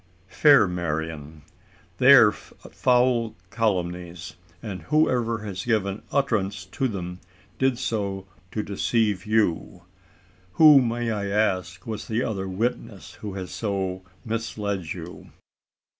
"Fair Marian, they are foul calumnies; and whoever has given utterance to them did so to deceive you. Who, may I ask, was that other witness who has so misled you!"